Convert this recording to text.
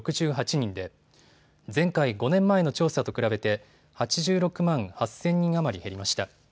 人で前回５年前の調査と比べて８６万８０００人余り減りました。